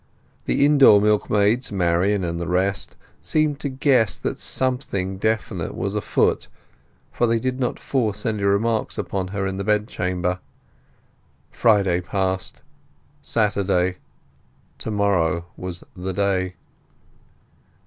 The indoor milkmaids, Marian and the rest, seemed to guess that something definite was afoot, for they did not force any remarks upon her in the bedchamber. Friday passed; Saturday. To morrow was the day.